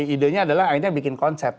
ide nya adalah akhirnya bikin konsep